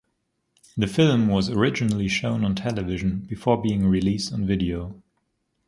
The film was originally shown on television before being released on video.